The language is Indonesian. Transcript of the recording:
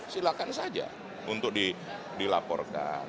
silakan saja untuk dilaporkan